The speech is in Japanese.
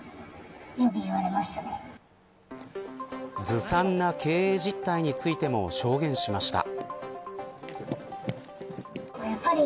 ずさんな経営実態についても証言しました。